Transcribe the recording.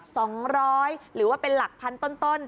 สองร้อยหรือว่าเป็นหลักพันต้นต้น